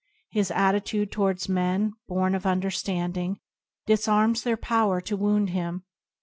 His attitude towards men, born of understanding, disarms their power to wound him.